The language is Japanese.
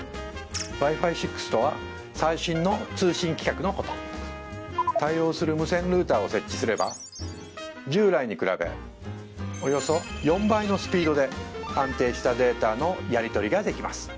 Ｗｉ−Ｆｉ６とは最新の通信規格のこと対応する無線ルーターを設置すれば従来に比べおよそ４倍のスピードで安定したデータのやり取りができます